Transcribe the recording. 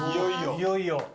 いよいよ。